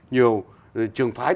nhiều trường phái